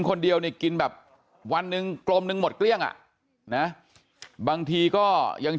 คนเดียวเนี่ยกินแบบวันหนึ่งกลมหนึ่งหมดเกลี้ยงอ่ะนะบางทีก็ยัง